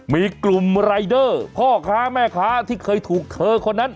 มีกลุ่มรายเดอร์พ่อค้าแม่ค้าที่เคยถูกเธอคนนั้น